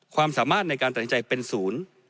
ความสามารถในการตัดสินใจเป็นศูนย์